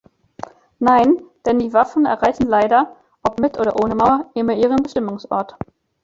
Nein, denn die Waffen erreichen leider, ob mit oder ohne Mauer, immer ihren Bestimmungsort.